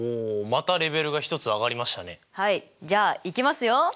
じゃあいきますよ。